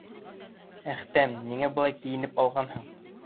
Әхтәм, ниңә былай кейенеп алғанһың?